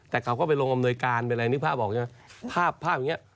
แต่เขาก็ไปลงอำนวยการเป็นอะไรนึกภาพออกใช่ไหมภาพภาพอย่างนี้